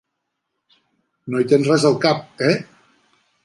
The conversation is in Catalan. No hi tens res al cap, eh!